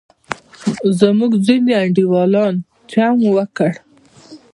زموږ ځینې انډیوالان چم وکړ.